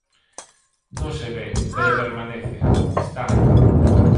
Non se ve, pero permanece, está.